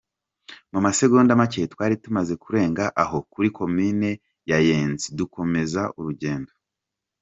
Mu masegonda make twari tumaze kurenga aho kuri Komine Kayenzi dukomeza urugendo.